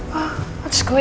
naga tak ada